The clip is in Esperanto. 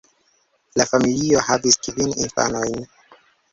La familio havis kvin infanojn.